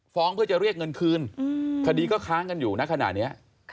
เพื่อจะเรียกเงินคืนคดีก็ค้างกันอยู่นะขณะนี้